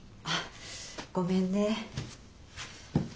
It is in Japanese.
あっごめんね。